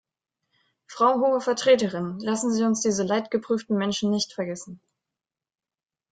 Frau Hohe Vertreterin, lassen Sie uns diese leidgeprüften Menschen nicht vergessen.